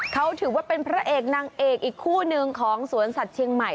เขาถือว่าเป็นพระเอกนางเอกอีกคู่หนึ่งของสวนสัตว์เชียงใหม่